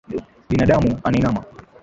Binamu anainama.